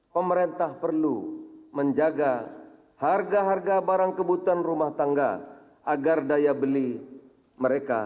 pemerintah perlu menjaga harga harga barang kebutuhan rumah tangga agar daya beli mereka